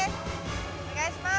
お願いします。